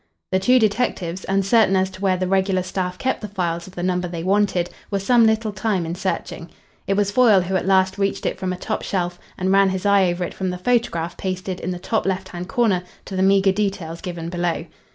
The two detectives, uncertain as to where the regular staff kept the files of the number they wanted, were some little time in searching. It was Foyle who at last reached it from a top shelf and ran his eye over it from the photograph pasted in the top left hand corner to the meagre details given below.